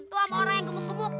itu sama orang yang gemuk gemuk